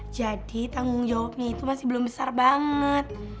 jadi tanggung jawabnya itu masih belum besar banget